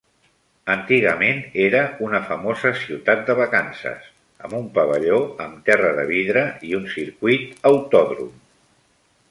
Antigament era un famosa ciutat de vacances, amb un pavelló amb terra de vidre i un circuit autòdrom.